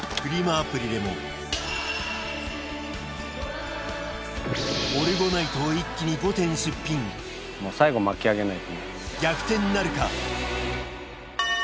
アプリでもオルゴナイトを一気に５点出品最後巻き上げないとね。